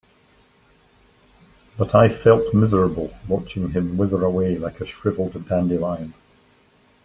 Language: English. But I felt miserable watching him wither away like a shriveled dandelion.